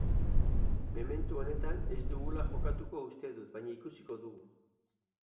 Memento honetan ez dudala jokatuko uste dut, baina ikusiko dugu.